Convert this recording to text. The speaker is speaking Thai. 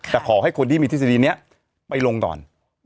แต่ขอให้คนที่มีทฤษฎีนี้ไปลงก่อน